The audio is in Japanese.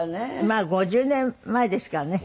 まあ５０年前ですからね。